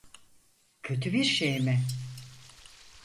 Kötü bir şey mi?